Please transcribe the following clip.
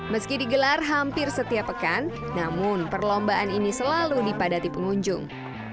meski digelar hampir setiap pekan namun perlombaan ini selalu dipadati pengunjung